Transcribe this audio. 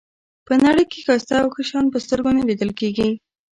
په نړۍ کې ښایسته او ښه شیان په سترګو نه لیدل کېږي.